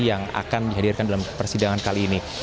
yang akan dihadirkan dalam persidangan kali ini